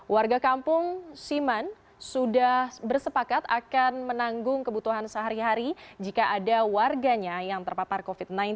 warga kampung siman sudah bersepakat akan menanggung kebutuhan sehari hari jika ada warganya yang terpapar covid sembilan belas